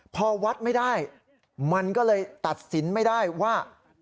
พอวัดไม่ได้มันก็เลยตัดสินไม่ได้ว่า